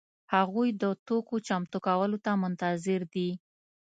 هغوی د توکو چمتو کولو ته منتظر دي.